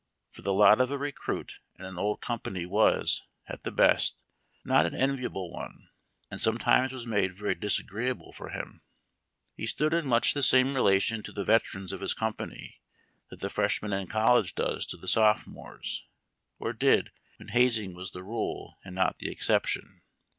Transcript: For the lot of a recruit in an old company was, at the best, not an envi able one, and sometimes was made very disagreeable for him. He stood in much the same relation to the vetei'ans of his company tliat the Freshman in college does to the Sophomores, or did when hazing was the rule and not the exception.